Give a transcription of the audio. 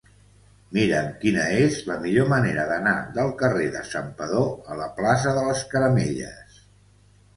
Mira'm quina és la millor manera d'anar del carrer de Santpedor a la plaça de les Caramelles.